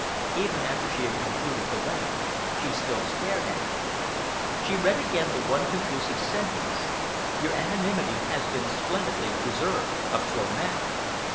Even after she had concluded the letter, she still stared at it. She read again the one conclusive sentence "Your anonymity has been splendidly preserved up till now."